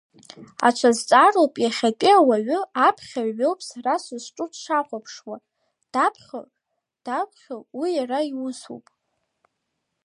Аҽазҵаароуп иахьатәи ауаҩы аԥхьаҩ иоуп сара сызҿу дшахәаԥшуа, даԥхьо, дамԥхьо уи иара иусуп.